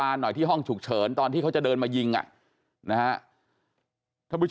แกสวนอายไปกินเบียกินกับสามคนก็ได้เลยนะครับ